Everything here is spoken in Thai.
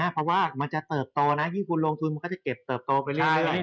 เพราะว่ามันจะเติบโตนะยิ่งคุณลงทุนมันก็จะเก็บเติบโตไปเรื่อย